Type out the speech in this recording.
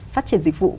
phát triển dịch vụ